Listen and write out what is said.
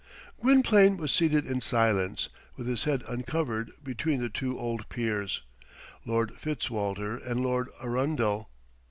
Gwynplaine was seated in silence, with his head uncovered, between the two old peers, Lord Fitzwalter and Lord Arundel.